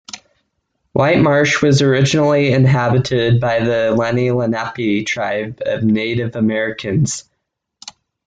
Whitemarsh was originally inhabited by the Lenni Lenape tribe of Native Americans.